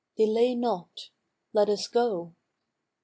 Delay not; let us go.